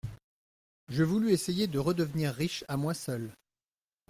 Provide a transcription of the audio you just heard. Je voulus essayer de redevenir riche à moi seule.